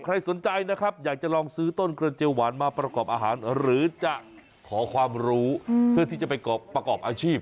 ใครสนใจนะครับอยากจะลองซื้อต้นกระเจียวหวานมาประกอบอาหารหรือจะขอความรู้เพื่อที่จะไปประกอบอาชีพ